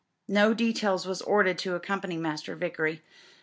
No details was ordered to accompany Master Vickery.